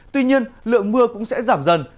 tuy nhiên lượng mưa cũng sẽ giảm dần